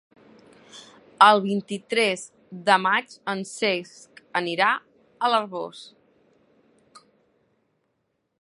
El vint-i-tres de maig en Cesc anirà a l'Arboç.